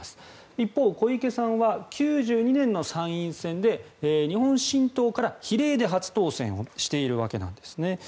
一方、小池さんは１９９２年の参議院選で日本新党から比例で初当選をしているわけなんですね。